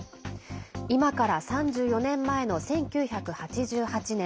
今から３４年前の１９８８年。